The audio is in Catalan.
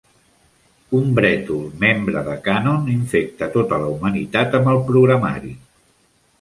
Un brètol membre de Canon infecta tota la humanitat amb el programari.